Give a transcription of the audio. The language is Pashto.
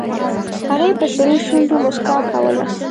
هغې په سرو شونډو موسکا کوله